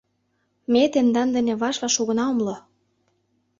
— Ме тендан дене ваш-ваш огына умыло.